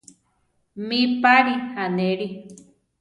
¿Mi páli anéli?